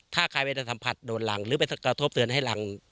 ถ้าใครไปสัมผัสโดนหลังหรือไปกระทบเตือนให้หลัง